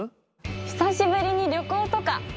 久しぶりに旅行とか！